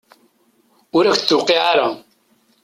Ur ak-d-tuqiɛ ara.